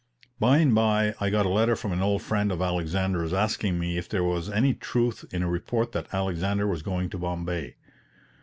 By and by I got a letter from an old friend of Alexander's asking me if there was any truth in a report that Alexander was going to Bombay.